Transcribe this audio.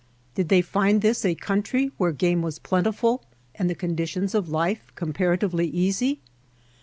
Did they find this a country where game was plentiful and the conditions of life comparatively easy